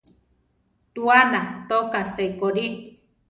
Tuána toká sekorí.